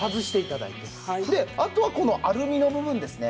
であとはこのアルミの部分ですね。